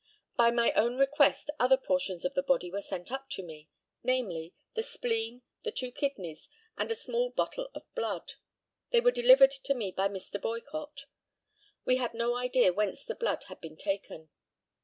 By my own request other portions of the body were sent up to me, namely, the spleen, the two kidneys, and a small bottle of blood. They were delivered to me by Mr. Boycott. We had no idea whence the blood had been taken.